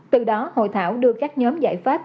từ đó hội thảo đưa các nhóm giải pháp